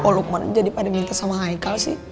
kok lukman jadi paling minta sama haikal sih